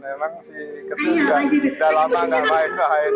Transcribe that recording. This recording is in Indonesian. emang sih ketujuh kan tidak lama tidak baik baik